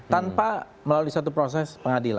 tanpa melalui satu proses pengadilan